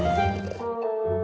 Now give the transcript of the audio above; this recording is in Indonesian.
lo udah berjalan